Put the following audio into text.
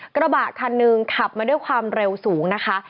กระบะคันหนึ่งขับมาด้วยความเร็วสูงนะคะ